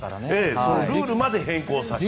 ルールまで変更させて。